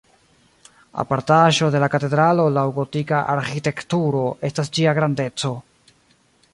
Apartaĵo de la katedralo laŭ gotika arĥitekturo estas ĝia grandeco.